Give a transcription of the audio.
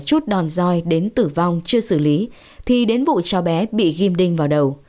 vụ cháu bé bị di ghẻ chút đòn roi đến tử vong chưa xử lý thì đến vụ cháu bé bị ghim đinh vào đầu